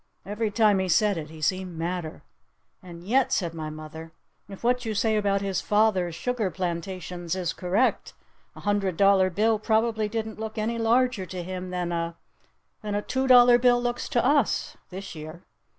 Every time he said it he seemed madder. "And yet," said my mother, "if what you say about his father's sugar plantations is correct, a hundred dollar bill probably didn't look any larger to him than a than a two dollar bill looks to us this year.